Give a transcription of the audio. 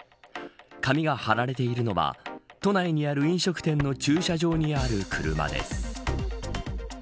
紙が貼られているのは都内にある飲食店の駐車場にある車です。